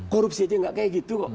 korupsi aja gak kayak gitu kok